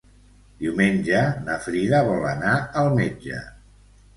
Diumenge na Frida vol anar al metge.